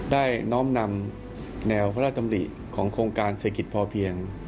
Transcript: น้อมนำแนวพระราชดำริของโครงการเศรษฐกิจพอเพียง